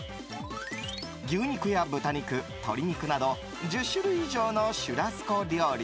牛肉や豚肉、鶏肉など１０種類以上のシュラスコ料理